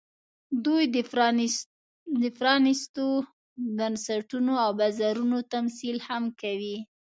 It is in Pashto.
دوی د پرانېستو بنسټونو او بازارونو تمثیل هم کوي